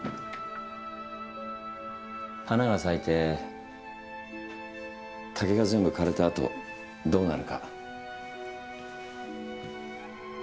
花が咲いて竹が全部枯れたあとどうなるか。